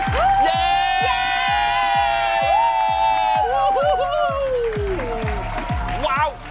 ว้าวว้าวว้าว